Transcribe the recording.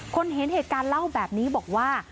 เห็นเหตุการณ์เล่าแบบนี้บอกว่า